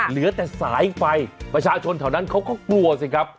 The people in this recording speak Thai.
เหลือแต่สายไฟประชาชนแถวนั้นเขาก็กลัวสิครับ